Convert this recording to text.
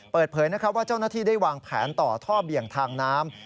เปิดเผยนะครับว่าเจ้าหน้าที่ได้วางแผนต่อท่อเบี่ยงทางน้ำ